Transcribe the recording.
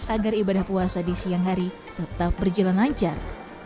agar ibadah puasa di siang hari tetap berjalan lancar